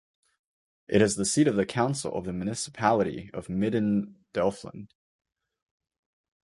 It is the seat of the council of the municipality of Midden-Delfland.